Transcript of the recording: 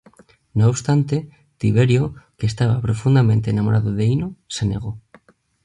No obstante, Tiberio, que estaba profundamente enamorado de Ino, se negó.